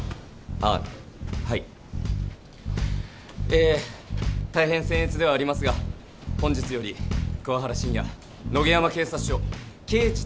え大変せんえつではありますが本日より桑原真也野毛山警察署刑事